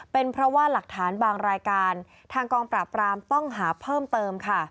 เป็นเพราะว่าหลักฐานบางรายการทางกองปราบรามต้องหาเพิ่มเติมค่ะ